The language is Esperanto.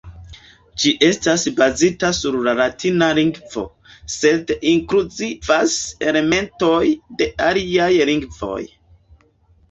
Ĝi estas bazita sur la latina lingvo, sed inkluzivas elementojn de aliaj lingvoj.